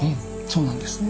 そうなんです。